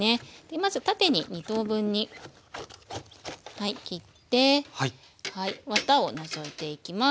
まず縦に２等分に切ってワタを除いていきます。